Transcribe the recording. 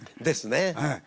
ですね。